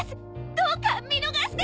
どうか見逃して。